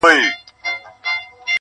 o وينه په وينو نه پاکېږي.